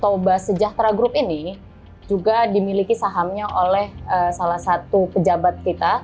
toba sejahtera group ini juga dimiliki sahamnya oleh salah satu pejabat kita